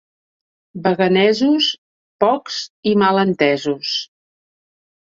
Baganesos, pocs i mal entesos.